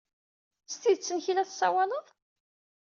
S tidet-nnek ay la tessawaleḍ?